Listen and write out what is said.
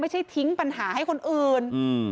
ทิ้งปัญหาให้คนอื่น